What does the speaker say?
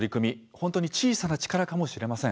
本当に小さな力かもしれません。